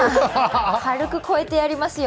軽く超えてやりますよ。